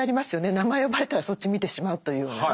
名前呼ばれたらそっち見てしまうというふうなね。